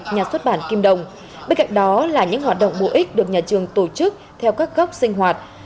nhà xuất bản kim đồng bên cạnh đó là những hoạt động bổ ích được nhà trường tổ chức theo các góc sinh hoạt